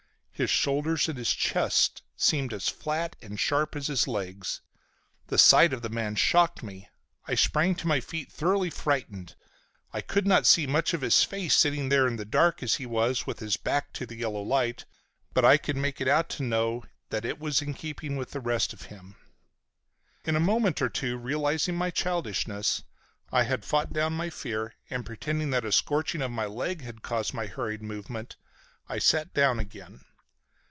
His shoulders and his chest seemed as flat and as sharp as his legs. The sight of the man shocked me. I sprang to my feet thoroughly frightened. I could not see much of his face, sitting there in the dark as he was with his back to the yellow light, but I could make out enough of it to know that it was in keeping with the rest of him. In a moment or two, realizing my childishness, I had fought down my fear and, pretending that a scorching of my leg had caused my hurried movement, I sat down again.